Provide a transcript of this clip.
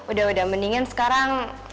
udah udah mendingan sekarang